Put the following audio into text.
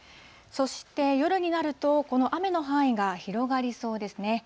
そして夜になると、この雨の範囲が広がりそうですね。